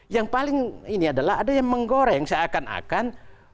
yang paling ini adalah ada yang menggoreng seakan akan